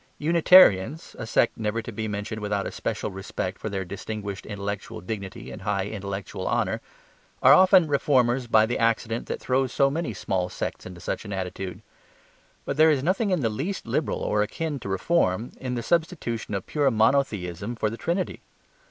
Unitarians (a sect never to be mentioned without a special respect for their distinguished intellectual dignity and high intellectual honour) are often reformers by the accident that throws so many small sects into such an attitude. But there is nothing in the least liberal or akin to reform in the substitution of pure monotheism for the Trinity.